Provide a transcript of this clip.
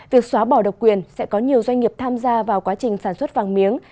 việc xóa bỏ độc quyền sẽ có nhiều doanh nghiệp tham gia vào quá trình sản xuất vàng miếng